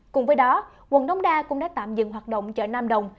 cùng với đó quận đống đa cũng đã tạm dừng hoạt động chợ nam đồng